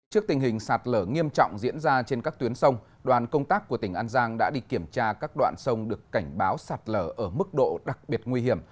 trước tình hình sạt lở nghiêm trọng diễn ra trên các tuyến sông đoàn công tác của tỉnh an giang đã đi kiểm tra các đoạn sông được cảnh báo sạt lở ở mức độ đặc biệt nguy hiểm